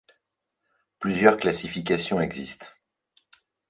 Plusieurs classifications existent.